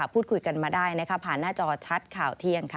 พูดคุยกันมาได้ผ่านหน้าจอชัดข่าวเที่ยงค่ะ